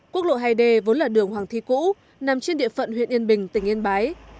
quốc lộ hai d vốn là đường hoàng thi cũ nằm trên địa phận huyện yên bình tỉnh yên bái